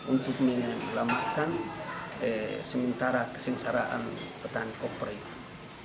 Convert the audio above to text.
untuk menelamatkan sementara kesengsaraan petani kopra itu